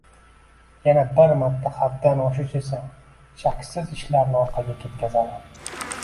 Yana bir marta: haddan oshish esa, shaksiz, ishlarni orqaga ketkazadi.